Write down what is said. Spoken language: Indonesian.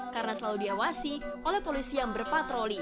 karena selalu diawasi oleh polisi yang berpatroli